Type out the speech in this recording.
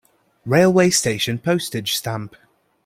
Railway station Postage stamp.